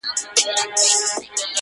حروف د ساز له سوره ووتل سرکښه سوله.